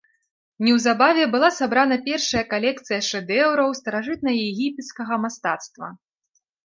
Неўзабаве была сабрана першая калекцыя шэдэўраў старажытнаегіпецкага мастацтва.